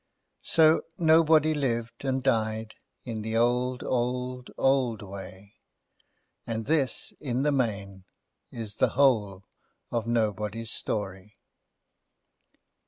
So Nobody lived and died in the old, old, old way; and this, in the main, is the whole of Nobody's story.